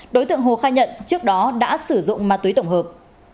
đối tượng hồ khai nhận trước đó đã sử dụng ma túy tổng hợp